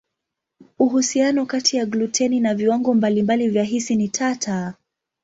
Uhusiano kati ya gluteni na viwango mbalimbali vya hisi ni tata.